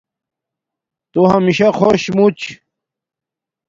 تو ہمشہ خوش موچ